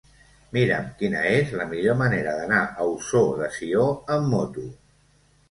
Mira'm quina és la millor manera d'anar a Ossó de Sió amb moto.